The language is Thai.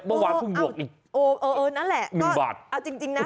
เมื่อวานเพิ่งบวกอีกโอ้เออเออนั่นแหละหนึ่งบาทเอาจริงจริงนะ